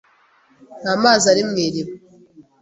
Nta mazi ari mu iriba.